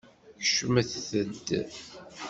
Kecmet-d!